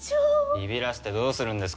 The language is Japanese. ビビらせてどうするんですか。